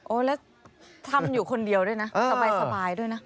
แล้วทำอยู่คนเดียวด้วยนะสบายด้วยนะ